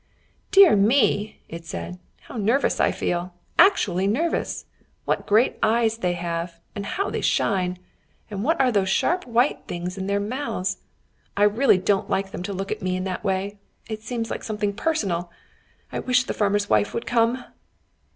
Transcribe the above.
"Dear me," it said. "How nervous I feel actually nervous. What great eyes they have, and how they shine! and what are those sharp white things in their mouths? I really don't like them to look at me in that way. It seems like something personal. I wish the farmer's wife would come."